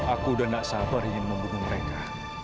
aku udah gak sabar ingin membunuh mereka